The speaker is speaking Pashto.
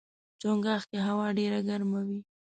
چنګاښ کې هوا ډېره ګرمه وي.